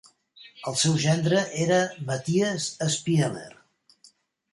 El seu gendre era Mathias Spieler.